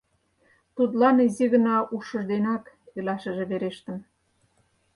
Тудлан изи гына ушыж денак илашыже верештын.